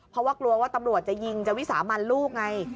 เพราะว่ากลัวว่าตำรวจจะยิงจะวิสามันลูกไง